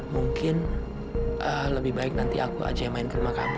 mungkin lebih baik nanti aku aja yang main ke rumah kamu